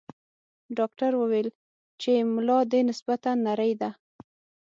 ډاکټر ویل چې ملا دې نسبتاً نرۍ ده.